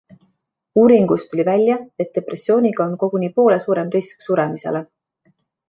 Uuringust tuli välja, et depressiooniga on koguni poole suurem risk suremisele.